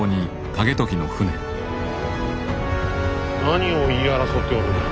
何を言い争っておるんだ？